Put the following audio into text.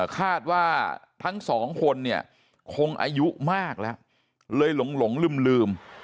คาดว่าทั้งสองคนเนี่ยคงอายุมากแล้วเลยหลงลืม